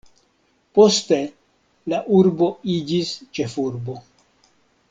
Poste la urbo iĝis ĉefurbo.